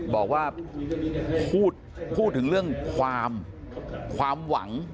บอกว่าพูดถึงเรื่องความความหวัง